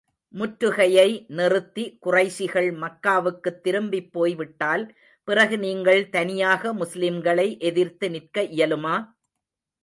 முற்றுகையை நிறுத்தி, குறைஷிகள் மக்காவுக்குத் திரும்பிப் போய் விட்டால், பிறகு நீங்கள் தனியாக முஸ்லிம்களை எதிர்த்து நிற்க இயலுமா?